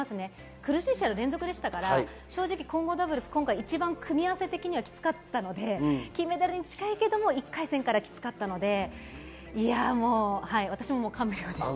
苦しい試合の連続でしたから、混合ダブルス、一番組み合わせ的にきつかったので、金メダルに近いけど、１回戦からきつかったので私も感無量です。